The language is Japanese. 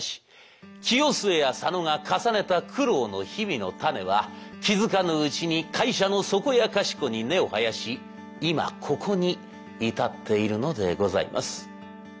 清末や佐野が重ねた苦労の日々の種は気付かぬうちに会社のそこやかしこに根を生やし今ここに至っているのでございます。